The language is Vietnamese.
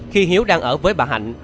khi hiếu đang ở với bà hạnh